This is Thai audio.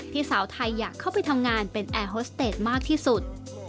สาวไทยอยากเข้าไปทำงานเป็นแอร์โฮสเตจมากที่สุด